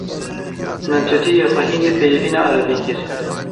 Min tûtiyê xwe hînî peyivîna erebî kir.